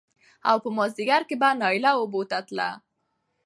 او په مازديګر کې به نايله اوبو ته تله